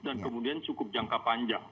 dan kemudian cukup jangka panjang